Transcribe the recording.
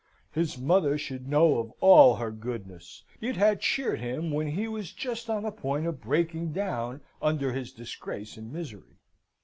His mother should know of all her goodness. It had had cheered him when he was just on the point of breaking down under his disgrace and misery.